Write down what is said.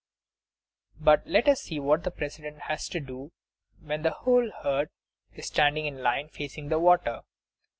But let us see what the President has to do when the whole herd is standing in line, facing the water.